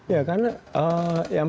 iya karena yang